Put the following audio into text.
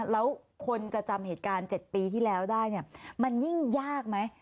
แล้วคนจะจำเหตุการณ์๗ปีที่แล้วได้เนี่ยมันยิ่งยากไหม